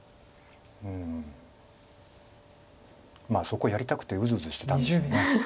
そこやりたくてうずうずしてたんでしょう。